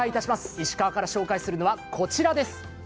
石川から紹介するのはこちらです。